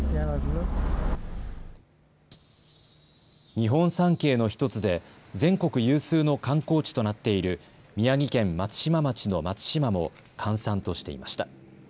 日本三景の１つで全国有数の観光地となっている宮城県松島町の松島も閑散としていました。